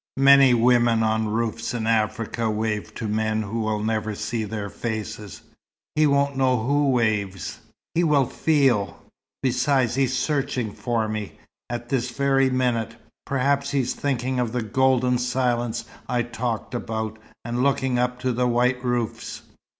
"Many women on roofs in Africa wave to men who will never see their faces. He won't know who waves." "He will feel. Besides, he's searching for me. At this very minute, perhaps, he's thinking of the golden silence I talked about, and looking up to the white roofs."